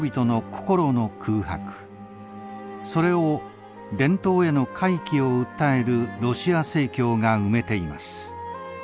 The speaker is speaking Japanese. それを伝統への回帰を訴えるロシア正教が埋めています。